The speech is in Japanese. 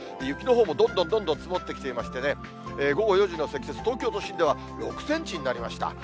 雪のほうもどんどんどんどん積もってきていましてね、午後４時の積雪、東京都心では６センチになりました。